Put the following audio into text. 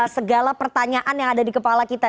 segala pertanyaan yang ada di kepala kita